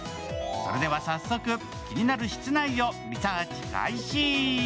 それでは早速、気になる室内をリサーチ開始。